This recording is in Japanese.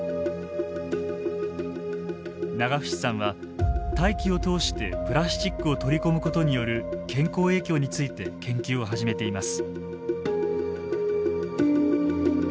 永淵さんは大気を通してプラスチックを取り込むことによる健康影響について研究を始めています。